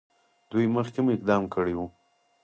دوی مخکې هم اقدام کړی وو.